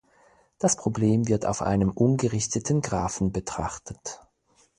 Das Problem wird auf einem ungerichteten Graphen betrachtet.